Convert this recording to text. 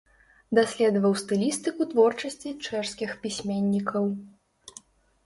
Даследаваў стылістыку творчасці чэшскіх пісьменнікаў.